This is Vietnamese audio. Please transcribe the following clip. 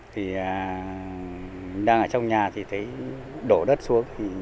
thì đang ở trong nhà thì thấy đổ đất xuống